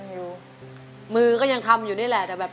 คนที่สองชื่อน้องก็เอาหลานมาให้ป้าวันเลี้ยงสองคน